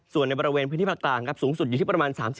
ส่วนในบริเวณพื้นที่ภาคกลางครับสูงสุดอยู่ที่ประมาณ๓๐